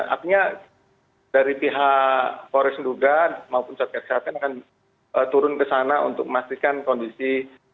artinya dari pihak polres duga maupun satgas kesehatan akan turun ke sana untuk memastikan kondisi